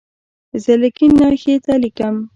زه له کیڼ نه ښي ته لیکم.